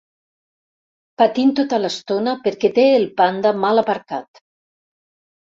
Patint tota l'estona, perquè té el Panda mal aparcat.